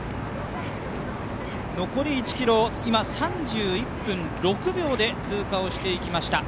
残り１ｋｍ、今３１分６秒で通過をしていきました。